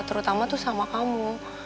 terutama tuh sama kamu